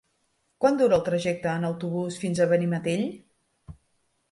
Quant dura el trajecte en autobús fins a Benimantell?